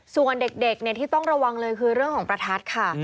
ส่วนเด็กที่ต้องระวังเลยคือเรื่องของประทัดค่ะ